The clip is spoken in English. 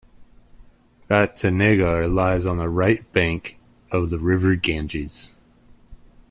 Batanagar lies on the right bank of the river Ganges.